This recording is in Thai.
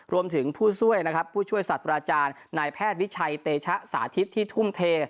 รวมถึงผู้ช่วยสัตว์อาจารย์นายแพทย์วิชัยเตชะสาธิตที่ทุ่มเท